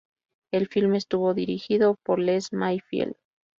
El filme estuvo dirigido por Les Mayfield.